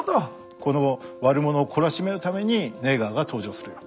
この悪者を懲らしめるためにネイガーが登場する。